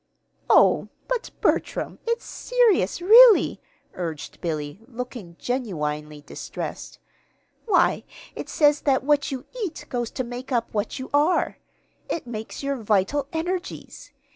"Oh, but, Bertram, it's serious, really," urged Billy, looking genuinely distressed. "Why, it says that what you eat goes to make up what you are. It makes your vital energies.